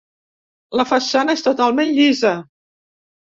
La façana és totalment llisa.